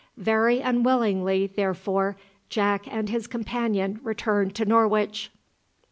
Very unwillingly, therefore, Jack and his companion returned to Norwich.